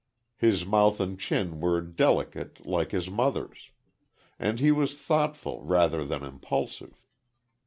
His mouth and chin were delicate, like his mother's. And he was thoughtful, rather than impulsive.